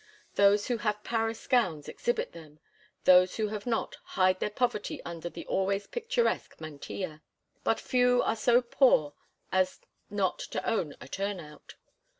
Those who have Paris gowns exhibit them, those who have not hide their poverty under the always picturesque mantilla; but few are so poor as not to own a turnout.